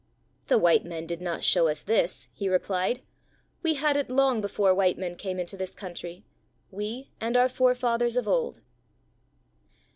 "The white men did not show us this," he replied; "we had it long before white men came into the country, we and our forefathers of old."